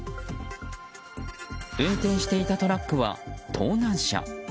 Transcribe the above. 運転していたトラックは盗難車。